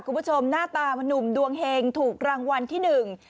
คุณผู้ชมหน้าตาหนุ่มดวงเแหงถูกรางวัลที่หนึ่ง